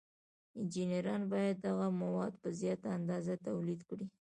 انجینران باید دغه مواد په زیاته اندازه تولید کړي.